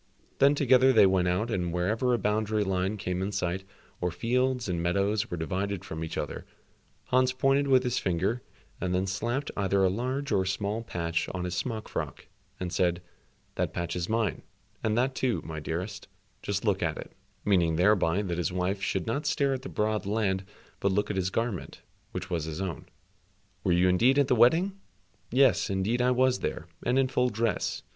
Then together they went out and wherever a boundary line came in sight, or fields and meadows were divided from each other, Hans pointed with his finger and then slapped either a large or a small patch on his smock frock, and said, "That patch is mine, and that too, my dearest, just look at it," meaning thereby that his wife should not stare at the broad land, but look at his garment, which was his own. "Were you indeed at the wedding?" "Yes, indeed I was there, and in full dress.